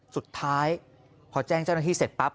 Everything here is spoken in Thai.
สุดท้ายพอแจ้งเจ้าหน้าที่เสร็จปั๊บ